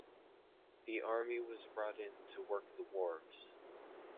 The army was brought in to work the wharves.